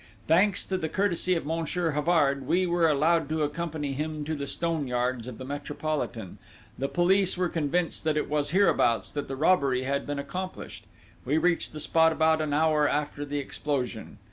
"Thanks to the courtesy of Monsieur Havard, we were allowed to accompany him to the stone yards of the Metropolitan: the police were convinced that it was hereabouts that the robbery had been accomplished. We reached the spot about an hour after the explosion.